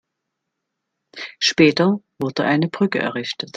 Später wurde eine Brücke errichtet.